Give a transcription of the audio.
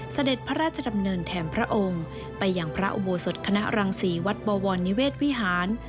เสด็จพระราชดำเนินแถมพระองค์ไปอย่างพระอุโบสถคณะรังศรีวัดบวรนิเวศวิหาร